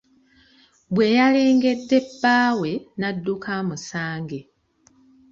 Bwe yalengedde bbaawe n'adduka amusange.